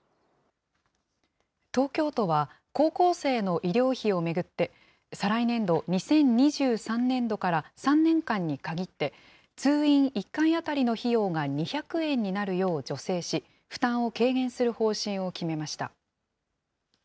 東京都は高校生の医療費を巡って、再来年度・２０２３年度から３年間に限って、通院１回当たりの費用が２００円になるよう助成し、負担を軽減する方針を決めました。